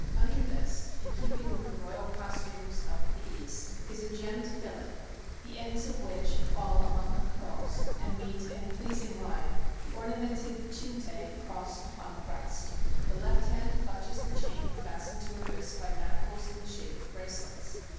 Under this, in keeping with the royal costumes of the COSMOPOLITAN ART JOURNAL. 217 William Pac;e, East, is a gemmed fillet, the ends of which fall among her curls, and meet, in a pleas ing line, the ornamented cinte crossed upon the breast. The left hand clutches the chain fastened to her wrists by manacles in the shape of bracelets.